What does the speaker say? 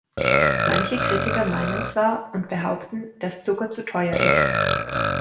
Manche Kritiker meinen zwar und behaupten, dass Zucker zu teuer ist.